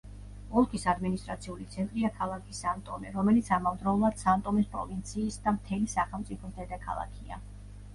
ოლქის ადმინისტრაციული ცენტრია ქალაქი სან-ტომე, რომელიც ამავდროულად სან-ტომეს პროვინციის და მთელი სახელმწიფოს დედაქალაქია.